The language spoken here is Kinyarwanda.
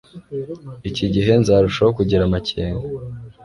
iki gihe nzarushaho kugira amakenga